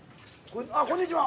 あっこんにちは。